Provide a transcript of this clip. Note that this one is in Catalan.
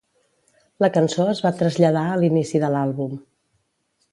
La cançó es va traslladar a l'inici de l'àlbum.